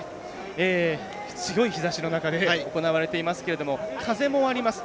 強い日ざしの中で行われていますけれども風もあります。